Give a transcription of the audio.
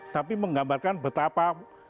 tapi menggambarkan betapa